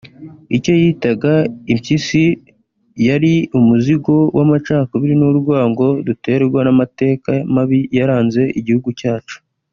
Icyo yitaga impyisi yari umuzigo w’amacakubiri n’urwango duterwa n’amateka mabi yaranze igihugu cyacu